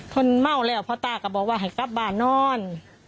คนเมาแล้วพ่อตาก็บอกว่าให้กลับบ้านนอน